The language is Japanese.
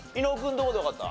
どこでわかった？